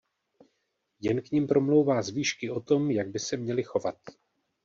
Jen k nim promlouvá z výšky o tom jak by se měli chovat.